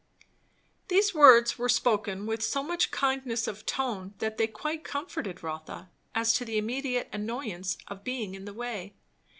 These words were spoken with so much kindness of tone that they quite comforted Rotha as to the immediate annoyance of being in the way.